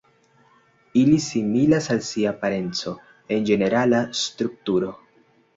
Ili similas al sia parenco en ĝenerala strukturo.